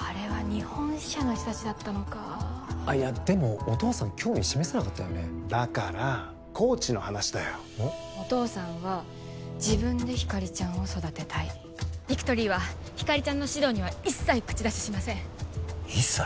あれは日本支社の人達だったのかいやでもお父さん興味示さなかったよねだからコーチの話だよお父さんは自分でひかりちゃんを育てたいビクトリーはひかりちゃんの指導には一切口出ししません一切？